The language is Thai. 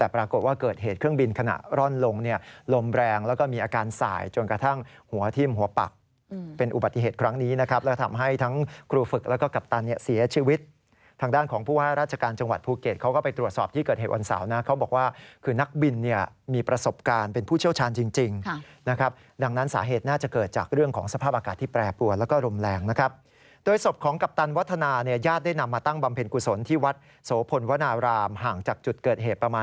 ปรากฏว่าเกิดเหตุเครื่องบินขณะร่อนลงเนี่ยลมแรงแล้วก็มีอาการสายจนกระทั่งหัวทิ่มหัวปักเป็นอุบัติเหตุครั้งนี้นะครับแล้วทำให้ทั้งครูฟึกแล้วก็กัปตันเนี่ยเสียชีวิตทางด้านของผู้ให้ราชการจังหวัดภูเกตเขาก็ไปตรวจสอบที่เกิดเหตุวันเสาร์นะเขาบอกว่าคือนักบินเนี่ยมีประสบการณ์เป็นผู้เชี่